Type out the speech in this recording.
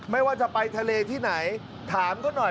ไม่ว่าจะไปทะเลที่ไหนถามเขาหน่อย